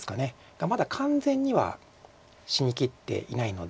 がまだ完全には死にきっていないので。